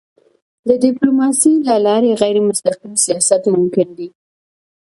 د ډيپلوماسی له لارې غیرمستقیم سیاست ممکن دی.